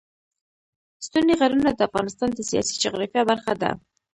ستوني غرونه د افغانستان د سیاسي جغرافیه برخه ده.